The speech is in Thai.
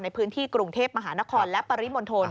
ในพื้นที่กรุงเทพมหานครและปริมณฑล